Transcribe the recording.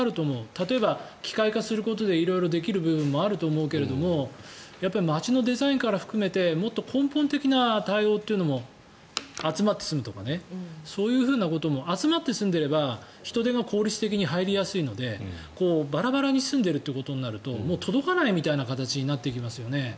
例えば、機械化することで色々できる部分もあると思うけど街のデザインから含めてもっと根本的な対応も集まって住むとかねそういうことも集まって住んでいれば人手が効率的に入りやすいのでバラバラに住んでいるということになると届かないみたいな形になっていきますよね。